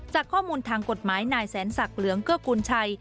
จากข้อมูลทางกฎหมายนายแสนศักดิ์เหลืองเกื้อกุลชัย